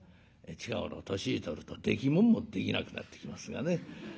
近頃年取るとできもんもできなくなってきますがね。